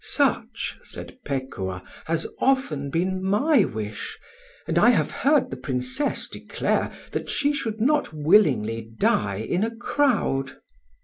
"Such," said Pekuah, "has often been my wish, and I have heard the Princess declare that she should not willingly die in a crowd."